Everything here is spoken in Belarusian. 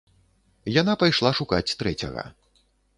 Яна пайшла шукаць трэцяга.